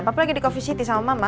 papa lagi di coffeesity sama mama